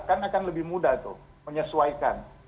kan akan lebih mudah tuh menyesuaikan